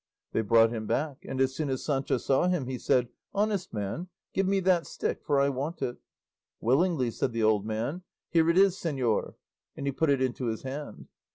They brought him back, and as soon as Sancho saw him he said, "Honest man, give me that stick, for I want it." "Willingly," said the old man; "here it is señor," and he put it into his hand.